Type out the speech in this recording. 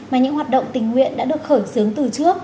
mà những hoạt động tình nguyện đã được khởi xướng từ trước